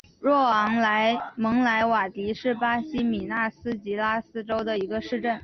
若昂蒙莱瓦迪是巴西米纳斯吉拉斯州的一个市镇。